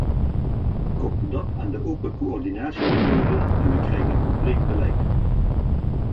Koppel dat aan de open coördinatiemethode en we krijgen een compleet beleid.